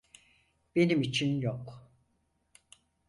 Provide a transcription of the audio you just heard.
Benim için yok.